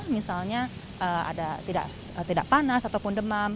misalnya tidak panas ataupun demam